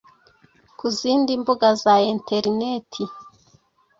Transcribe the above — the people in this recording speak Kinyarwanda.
ku zindi mbuga za interineti.